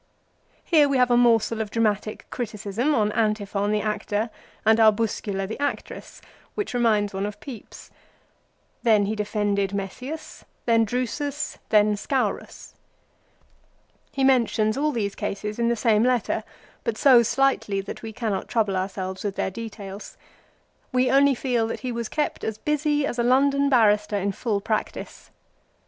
Here we have a morsel of dramatic criticism on Antiphon the actor and Arbuscula the actress, which re minds one of Pepys. Then he defended Messius, then Drusus, then Scaurus. He mentions all these cases in the 1 Ad Fam. v. 8. 2 Ad Quint. Frat. ii. 12. 3 Ad Att. iv. 16. E 2 52 LIFE OF CICERO. same letter, but so slightly that we cannot trouble ourselves with their details. We only feel that he was kept as busy as a London barrister in full practice.